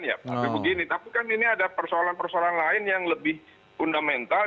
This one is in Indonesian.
tapi begini tapi kan ini ada persoalan persoalan lain yang lebih fundamental